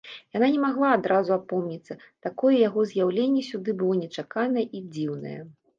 Яна не магла адразу апомніцца, такое яго з'яўленне сюды было нечаканае і дзіўнае.